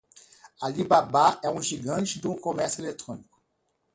Alibaba é uma gigante do comércio eletrônico.